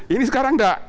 ini sekarang tidak